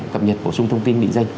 cập nhật bổ sung thông tin định danh